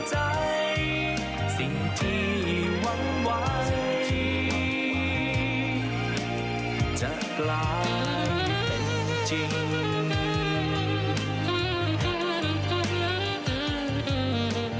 ใจสิ่งที่หวั่นไหวจะกลายเป็นจริง